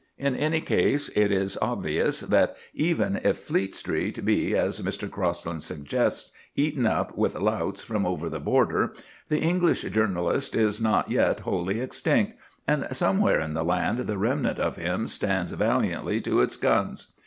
In any case, it is obvious that, even if Fleet Street be, as Mr. Crosland suggests, eaten up with louts from over the Border, the English journalist is not yet wholly extinct, and somewhere in the land the remnant of him stands valiantly to its guns.